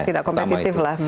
tidak kompetitif lah